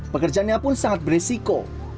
pekerjaannya pun sangat beresiko